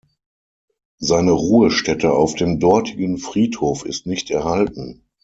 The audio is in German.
Seine Ruhestätte auf dem dortigen Friedhof ist nicht erhalten.